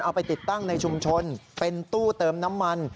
เอาไปติดตั้งในชุมชนเป็นตู้เติมน้ำมัน